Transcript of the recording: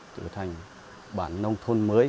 trở thành bản nông thôn mới